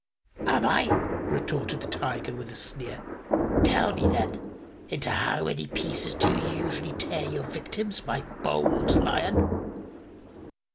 "Am I?" retorted the Tiger, with a sneer. "Tell me, then, into how many pieces you usually tear your victims, my bold Lion?"